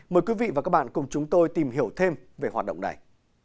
mời quý vị và các bạn cùng chúng tôi tìm hiểu thêm về hoạt động này